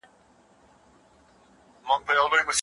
د پښتو ژبې په لرغوني ادب کې د ملي اوزانو ونډه خورا مهمه ده.